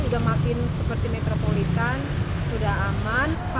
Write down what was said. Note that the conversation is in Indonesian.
sudah makin seperti metropolitan sudah aman